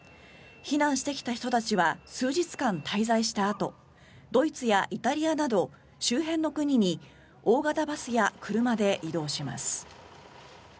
避難してきた人たちは数日間、滞在したあとドイツやイタリアなど周辺の国に大型バスや車で移動します。